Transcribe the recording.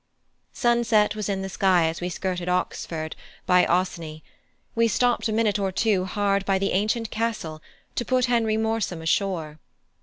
Sunset was in the sky as we skirted Oxford by Oseney; we stopped a minute or two hard by the ancient castle to put Henry Morsom ashore.